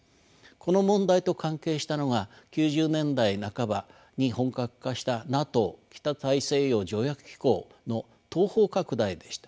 この問題と関係したのが９０年代半ばに本格化したＮＡＴＯ北大西洋条約機構の東方拡大でした。